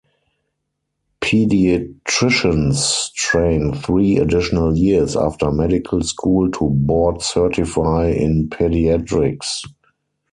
Pediatricians train three additional years after medical school to board-certify in Pediatrics.